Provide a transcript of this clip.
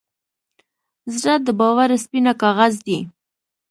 زړه د باور سپینه کاغذ دی.